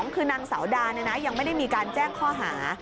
คือนางสาวดายังไม่ได้มีการแจ้งข้อหา